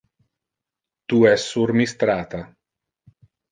Tu es sur mi strata.